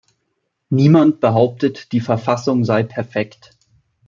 Niemand behauptet, die Verfassung sei perfekt.